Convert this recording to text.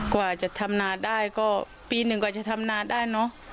กว่าจะทำนาได้ก็ปีหนึ่งกว่าจะทำนาได้เนอะ